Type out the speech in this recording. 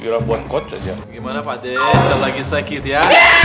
gila buat kotak gimana pakde lagi sakit ya